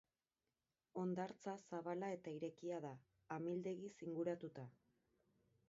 Hondartza zabala eta irekia da, amildegiz inguratuta.